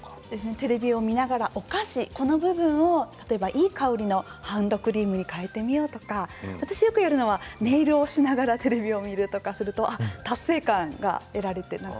テレビを見ながらお菓子それをいい香りのハンドクリームに代えてみようとか私がよくやるのはネイルをしながらテレビを見ると達成感が得られて。